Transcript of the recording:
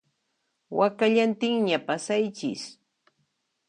Wakallantinña pasaychis